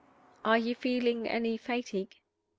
"Are you feeling any fatigue?"